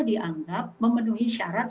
dianggap memenuhi syarat